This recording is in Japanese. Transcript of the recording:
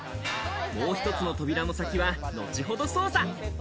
もう１つの扉の先は、後ほど捜査。